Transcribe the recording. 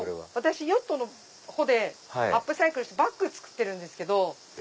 ヨットの帆でアップサイクルバッグ作ってるんですけど。